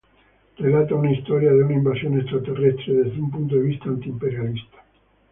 Relata una historia de una invasión extraterrestre, desde un punto de vista antiimperialista.